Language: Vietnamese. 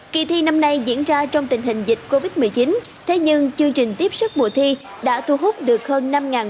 kỳ thi năm nay diễn ra trong tình hình dịch covid một mươi chín thế nhưng chương trình tiếp sức mùa thi đã thu hút được hơn năm